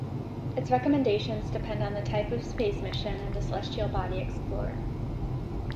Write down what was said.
Its recommendations depend on the type of space mission and the celestial body explored.